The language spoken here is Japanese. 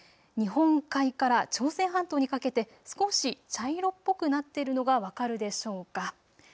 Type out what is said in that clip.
日本海から朝鮮半島にかけて少し茶色っぽくなっているのが分かるでしょうか。